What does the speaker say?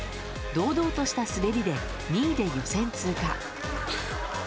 堂々とした滑りで２位で予選通過。